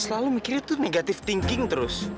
selalu mikir itu negatif thinking terus